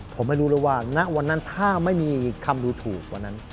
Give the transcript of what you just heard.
ผมไม่รู้เลยว่าณวันนั้นถ้าไม่มีคำดูถูกวันนั้น